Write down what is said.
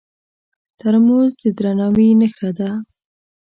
ترموز د درناوي نښه ده.